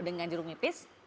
dengan jeruk nipis